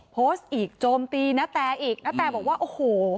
โพสต์อีกโจมตีนาแตอีกณแตบอกว่าโอ้โห